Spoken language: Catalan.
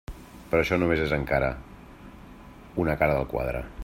Però això només és encara una cara del quadre.